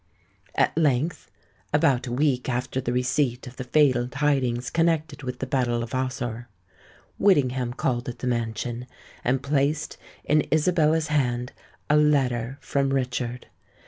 At length,—about a week after the receipt of the fatal tidings connected with the battle of Ossore,—Whittingham called at the mansion, and placed in Isabella's hand a letter from Richard.